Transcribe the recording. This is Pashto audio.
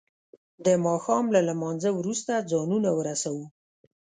د ما ښام له لما نځه وروسته ځانونه ورسو.